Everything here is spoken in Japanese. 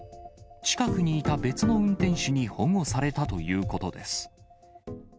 近くにいた別の運転手に保護されたということです。